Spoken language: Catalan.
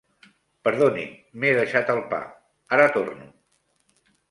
Perdonin, m'he deixat el pa. Ara torno.